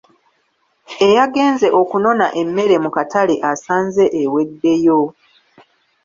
Eyagenze okunona emmere mu katale asanze eweddeyo.